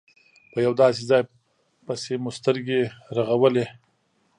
په یو داسې ځای پسې مو سترګې رغولې.